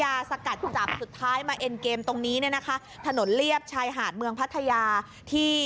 สกัดจับสุดท้ายมาเอ็นเกมตรงนี้เนี่ยนะคะถนนเลียบชายหาดเมืองพัทยาที่